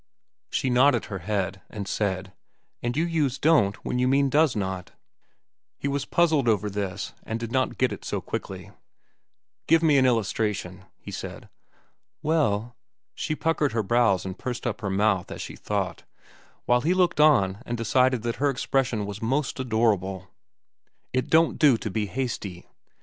'" She nodded her head, and said, "And you use 'don't' when you mean 'does not.'" He was puzzled over this, and did not get it so quickly. "Give me an illustration," he asked. "Well—" She puckered her brows and pursed up her mouth as she thought, while he looked on and decided that her expression was most adorable. "'It don't do to be hasty.